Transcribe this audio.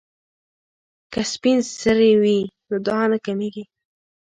که سپین سرې وي نو دعا نه کمیږي.